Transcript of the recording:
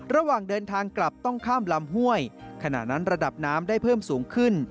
ระหว่างเดินทางกลับต้องข้ามลำห้วยขณะนั้นระดับน้ำได้เพิ่มสูงขึ้น